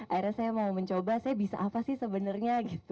akhirnya saya mau mencoba saya bisa apa sih sebenarnya gitu